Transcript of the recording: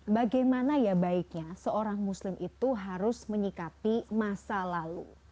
bagaimana ya baiknya seorang muslim itu harus menyikapi masa lalu